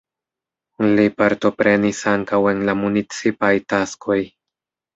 Li partoprenis ankaŭ en la municipaj taskoj.